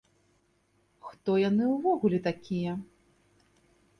Хто яны ўвогуле такія?